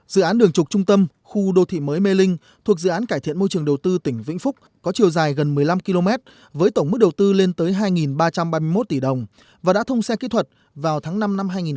dự án đường trục trung tâm khu đô thị mới mê linh thuộc dự án cải thiện môi trường đầu tư tỉnh vĩnh phúc có chiều dài gần một mươi năm km với tổng mức đầu tư lên tới hai ba trăm ba mươi một tỷ đồng và đã thông xe kỹ thuật vào tháng năm năm hai nghìn một mươi chín